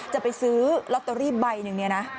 จะไปซื้อลอตเตอรี่ใบหนึ่งเนี่ยนะ